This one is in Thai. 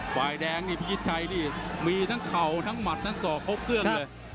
ฝ่ายแดงนี่พิชิตชัยนี่มีทั้งเข่าทั้งหมัดทั้งสอกครบเครื่องเลย